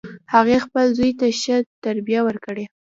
هغې خپل زوی ته ښه تربیه ورکړي